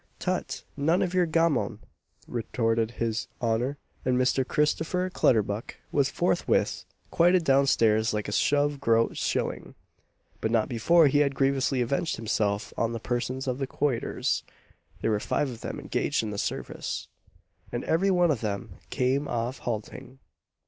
"Tut! none of your gammon!" retorted his honour; and Mr. Christopher Clutterbuck was forthwith "quoited down stairs like a shove groat shilling;" but not before he had grievously avenged himself on the persons of his quoiters. There were five of them engaged in the service, and every one of them came off halting.